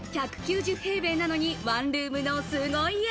１９０平米なのにワンルームの凄家。